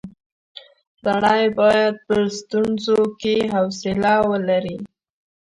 سړی باید په ستونزو کې حوصله ولري.